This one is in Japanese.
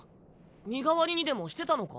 身代わりにでもしてたのか？